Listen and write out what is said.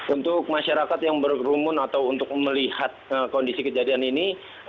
untuk masyarakat yang berkerumun atau untuk melihat kondisi kejadian ini